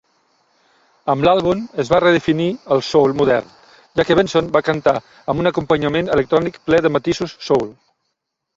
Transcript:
Amb l'àlbum es va redefinir el soul modern, ja que Benson va cantar amb un acompanyament electrònic ple de matisos soul.